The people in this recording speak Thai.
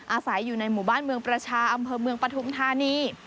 อาศัยอยู่ในหมู่บ้านเมืองประชาอำเภอเมืองปฐุมธานี